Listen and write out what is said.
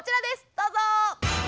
どうぞ！